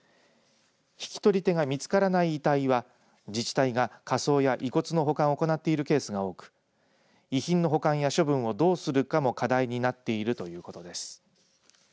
引き取り手が見つからない遺体は自治体が、火葬や遺骨の保管を行っているケースが多く遺品の保管や処分をどうするかも課題になってるということです。